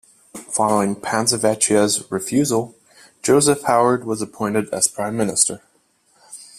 Following Panzavecchia's refusal Joseph Howard was appointed as Prime Minister.